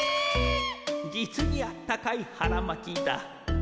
実にあったかいはらまきだ。